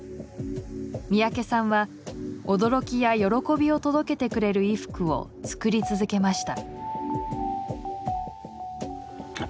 三宅さんは驚きや歓びを届けてくれる衣服を作り続けました。